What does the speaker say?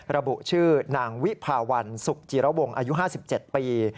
ระบุชื่อนางวิภาวันสุขจิระวงอายุ๕๗ปี